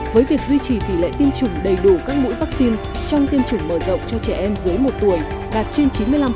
với việc duy trì tỷ lệ tiêm chủng đầy đủ các mũi vaccine trong tiêm chủng mở rộng cho trẻ em dưới một tuổi đạt trên chín mươi năm